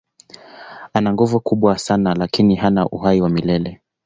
Ana nguvu kubwa sana lakini hana uhai wa milele.